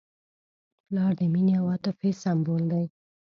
پلار د مینې او عاطفې سمبول دی.